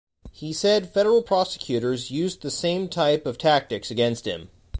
He said federal prosecutors used the same type of tactics against him.